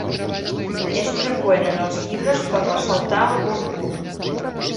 És freqüent en els llibres per ressaltar algun punt.